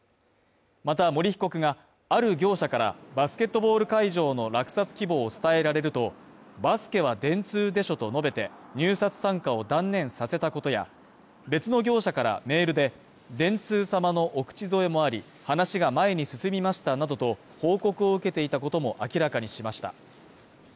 また森被告がある業者からバスケットボール会場の落札希望を伝えられるとバスケは電通でしょと述べて、入札参加を断念させたことや、別の業者からメールで電通様のお口添えもあり話が前に進みましたなどと報告を受けていたことも明らかにしました。